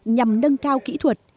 nhằm nâng cao kỹ thuật